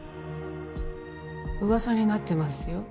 噂になってますよ